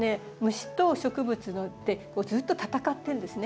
虫と植物ってずっと戦ってるんですね。